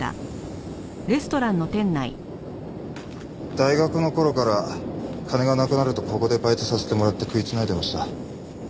大学の頃から金がなくなるとここでバイトさせてもらって食い繋いでました。